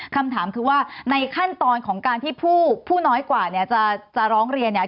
คำถามคือว่าในขั้นตอนของการที่ผู้น้อยกว่าเนี่ยจะร้องเรียนเนี่ย